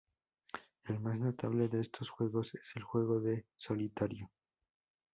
El más notable de estos juegos es el juego de Solitario.